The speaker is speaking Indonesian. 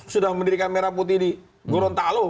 sudah mendirikan merah putih di gorontalo